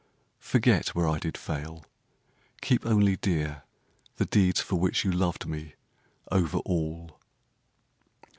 Forget where I did fail; keep only dear The deeds for which you loved me over all.